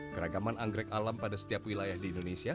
keragaman anggrek alam pada setiap wilayah di indonesia